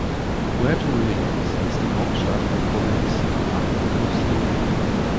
Puerto Williams ist die Hauptstadt der Provinz Antártica Chilena.